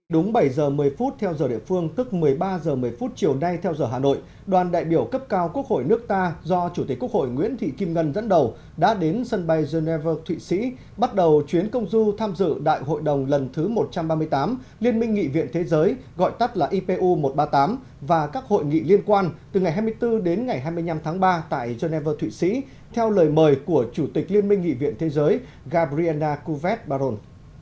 đúng bảy h một mươi theo giờ địa phương tức một mươi ba h một mươi chiều nay theo giờ hà nội đoàn đại biểu cấp cao quốc hội nước ta do chủ tịch quốc hội nguyễn thị kim ngân dẫn đầu đã đến sân bay geneva thụy sĩ bắt đầu chuyến công du tham dự đại hội đồng lần thứ một trăm ba mươi tám liên minh nghị viện thế giới gọi tắt là ipu một trăm ba mươi tám và các hội nghị liên quan từ ngày hai mươi bốn đến ngày hai mươi năm tháng ba tại geneva thụy sĩ theo lời mời của chủ tịch liên minh nghị viện thế giới gabriela cuvette baron